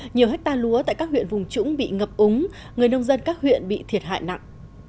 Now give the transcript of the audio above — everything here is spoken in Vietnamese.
nhiều ha lúa tại các huyện vùng trũng bị ngập úng người nông dân các huyện bị thiệt hại nặng